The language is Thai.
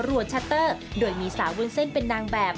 ชัตเตอร์โดยมีสาววุ้นเส้นเป็นนางแบบ